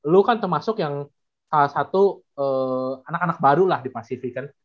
lu kan termasuk yang salah satu anak anak baru lah di pasifik kan